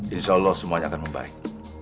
insya allah semuanya akan membaik